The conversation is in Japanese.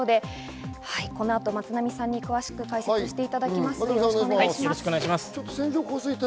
この後、松並さんに解説していただきます。